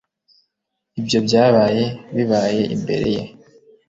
Ibyo byabaye bibaye imbere ye